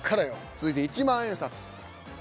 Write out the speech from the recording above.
続いて１万円札。